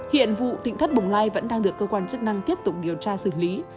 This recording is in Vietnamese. hiện vụ tỉnh thất bồng lai vẫn đang được cơ quan chức năng tiếp tục điều tra xử lý